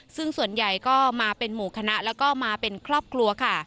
ซึ่งส่วนใหญ่ก็มาเป็นหมู่คณะแล้วก็มาเป็นครอบครัวค่ะ